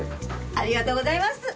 ありがとうございます！